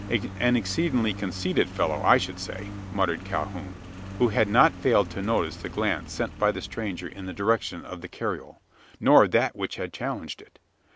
"An exceedingly conceited fellow, I should say," muttered Calhoun; who had not failed to notice the glance sent by the stranger in the direction of the carriole, nor that which had challenged it.